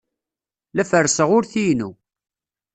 La ferrseɣ urti-inu.